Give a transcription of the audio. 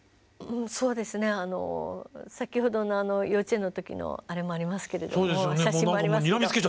そうですね先ほどの幼稚園の時のあれもありますけれども写真もありますけど。